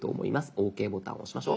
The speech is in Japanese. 「ＯＫ」ボタンを押しましょう。